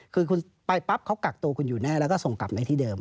คือคุณไปปั๊บเขากักตัวคุณอยู่แน่แล้วก็ส่งกลับในที่เดิม